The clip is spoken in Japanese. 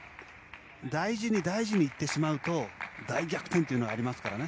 大事に大事にいってしまうと大逆転というのがありますからね。